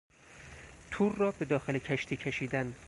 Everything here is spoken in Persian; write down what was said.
تور را به داخل کشتی کشیدن